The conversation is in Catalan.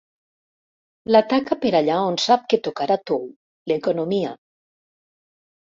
L'ataca per allà on sap que tocarà tou: l'economia.